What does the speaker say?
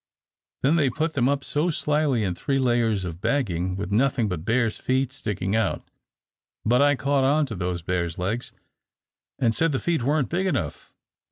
Then they put them up so sly in three layers of bagging with nothing but bears' feet sticking out, but I caught on to those bears' legs, and said the feet weren't big enough.